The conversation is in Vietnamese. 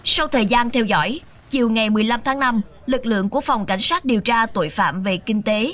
sau thời gian theo dõi chiều ngày một mươi năm tháng năm lực lượng của phòng cảnh sát điều tra tội phạm về kinh tế